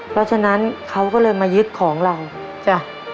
เพราะฉะนั้นเขาก็เลยมายึดของเราจ้ะ